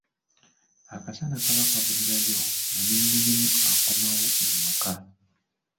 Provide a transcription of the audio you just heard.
Akasana kaba kabulirayo nga ne nnyinimu akomawo ewaka.